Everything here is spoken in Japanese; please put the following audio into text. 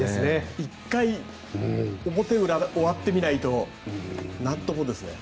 １回表裏終わってみないとなんともですね。